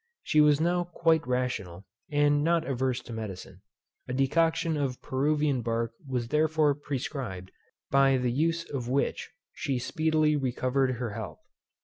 She was now quite rational, and not averse to medicine. A decoction of Peruvian bark was therefore prescribed, by the use of which she speedily recovered her health.